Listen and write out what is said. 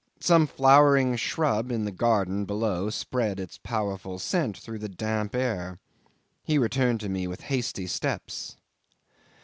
Some flowering shrub in the garden below spread its powerful scent through the damp air. He returned to me with hasty steps.